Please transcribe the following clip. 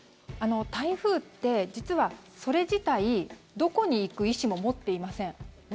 台風って実はそれ自体どこに行く意思も持っていません